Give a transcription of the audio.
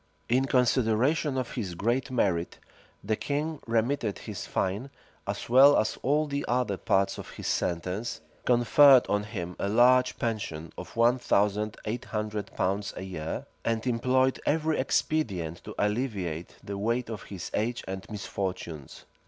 In consideration of his great merit, the king remitted his fine, as well as all the other parts of his sentence, conferred on him a large pension of one thousand eight hundred pounds a year, and employed every expedient to alleviate the weight of his age and misfortunes.